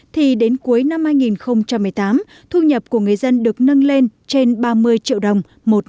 thì đến cuối năm hai nghìn một mươi tám thu nhập của người dân được nâng lên trên ba mươi triệu đồng